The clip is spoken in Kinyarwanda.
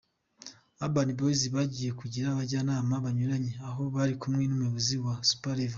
Urban Boyz bagiye bagira abajyanama banyuranye aha bari kumwe n'ubuyobozi bwa Super Level.